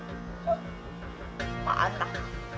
oh apaan tak